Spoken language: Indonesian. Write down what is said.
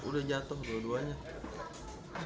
udah jatuh keduanya